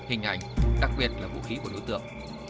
hình ảnh đặc biệt là vũ khí của đối tượng